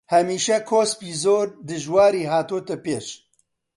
هەمیشە کۆسپی زۆر دژواری هاتۆتە پێش